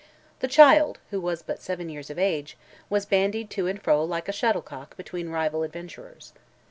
The child, who was but seven years of age, was bandied to and fro like a shuttlecock between rival adventurers.